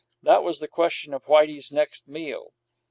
This was the question of Whitey's next meal.